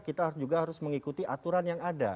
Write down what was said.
kita juga harus mengikuti aturan yang ada